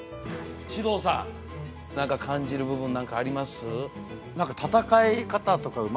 獅童さん何か感じる部分なんかあります？